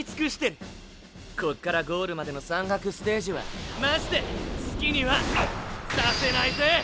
こっからゴールまでの山岳ステージはマジで好きにはさせないぜ！